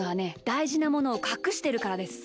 だいじなものをかくしてるからです。